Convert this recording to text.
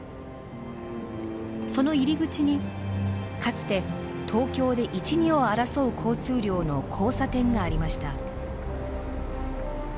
その入り口にかつて東京で一二を争う交通量の交差点がありました。